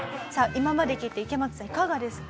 今まで聞いて池松さんいかがですか？